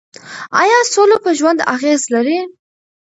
ایا سوله په ژوند اغېز لري؟